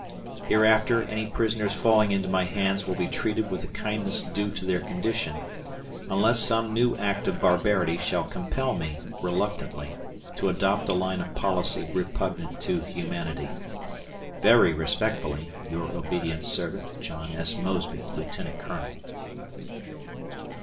Hereafter, any prisoners falling into my hands will be treated with the kindness due to their condition, unless some new act of barbarity shall compel me, reluctantly, to adopt a line of policy repugnant to humanity. Very respectfully, your obedient servant, John S. Mosby, Lieut. Colonel.